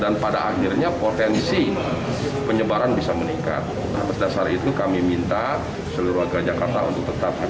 nah berdasar itu kami minta seluruh warga jakarta untuk tetap waspada